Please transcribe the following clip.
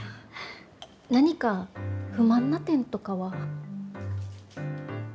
何か不満な点とかは。